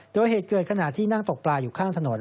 โดยเหตุเกิดขณะที่นั่งตกปลาอยู่ข้างถนน